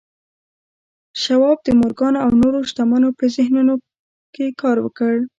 شواب د مورګان او نورو شتمنو په ذهنونو کې کار وکړ